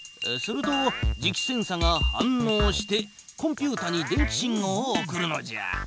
すると磁気センサが反のうしてコンピュータに電気信号を送るのじゃ。